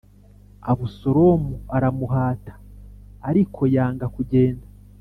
Abusalomu aramuhata ariko yanga kugenda